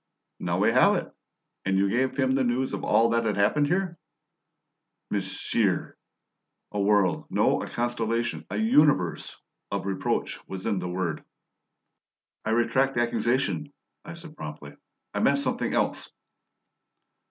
"Now we have it! And you gave him the news of all that had happened here?" "Monsieur!" A world no, a constellation, a universe! of reproach was in the word. "I retract the accusation," I said promptly. "I meant something else."